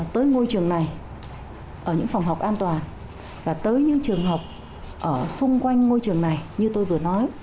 tới ngôi trường này ở những phòng học an toàn và tới những trường học ở xung quanh ngôi trường này như tôi vừa nói